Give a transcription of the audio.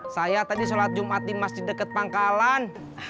saya tadi sholat jumat di masjid dekat pangkalan